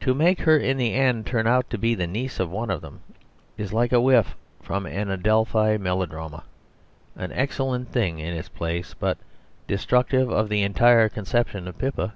To make her in the end turn out to be the niece of one of them, is like a whiff from an Adelphi melodrama, an excellent thing in its place, but destructive of the entire conception of Pippa.